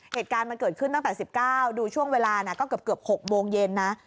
เหตุการณ์มันเกิดขึ้นตั้งแต่๑๙ดูช่วงเวลาก็เกือบ๖โมงเย็นนะ